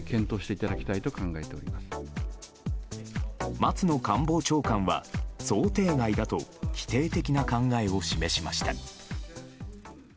松野官房長官は想定外だと否定的な考えを示しました。